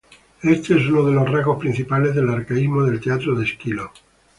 Éste es uno de los rasgos principales del arcaísmo del teatro de Esquilo.